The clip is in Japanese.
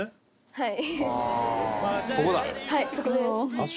はい。